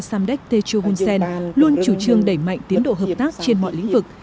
samdek techo hunsen luôn chủ trương đẩy mạnh tiến độ hợp tác trên mọi lĩnh vực